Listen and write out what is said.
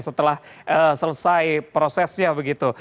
setelah selesai prosesnya begitu